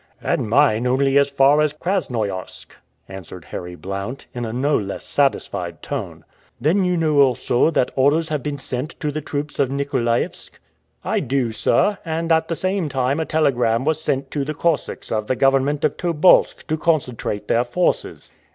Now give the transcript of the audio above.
"And mine only as far as Krasnoiarsk," answered Harry Blount, in a no less satisfied tone. "Then you know also that orders have been sent to the troops of Nikolaevsk?" "I do, sir; and at the same time a telegram was sent to the Cossacks of the government of Tobolsk to concentrate their forces."